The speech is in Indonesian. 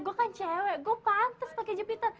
gue kan cewek gue pantes pake cepitan